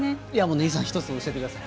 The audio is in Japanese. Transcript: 根木さん１つ教えてください。